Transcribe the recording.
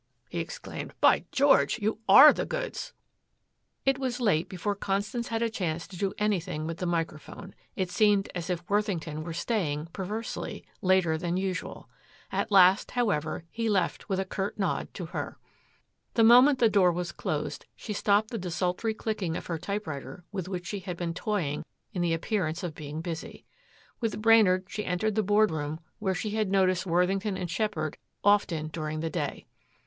he exclaimed. "By George, you ARE the goods." It was late before Constance had a chance to do anything with the microphone. It seemed as if Worthington were staying, perversely, later than usual. At last, however, he left with a curt nod to her. The moment the door was closed she stopped the desultory clicking of her typewriter with which she had been toying in the appearance of being busy. With Brainard she entered the board room where she had noticed Worthington and Sheppard often during the day.